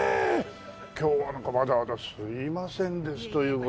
今日はなんかわざわざすいませんですという事でね。